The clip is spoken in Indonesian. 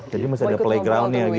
jadi masih ada playgroundnya gitu ya